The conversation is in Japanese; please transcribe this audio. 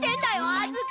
あずき！